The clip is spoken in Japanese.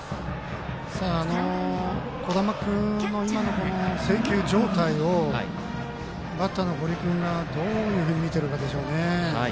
小玉君の今の制球状態をバッターの堀君がどういうふうに見てるかでしょうね。